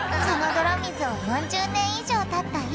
その泥水を４０年以上たった